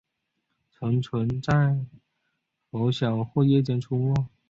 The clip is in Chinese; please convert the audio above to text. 成虫在拂晓或夜间出没。